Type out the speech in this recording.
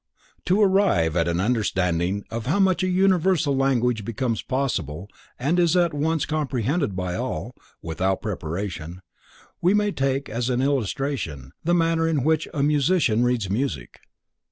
To arrive at an understanding of how such a universal language becomes possible and is at once comprehended by all, without preparation, we may take as an illustration the manner in which a musician reads music.